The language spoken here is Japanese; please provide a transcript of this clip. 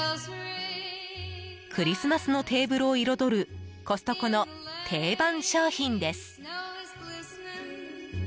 クリスマスのテーブルを彩るコストコの定番商品です。